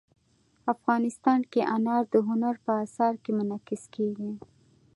افغانستان کې انار د هنر په اثار کې منعکس کېږي.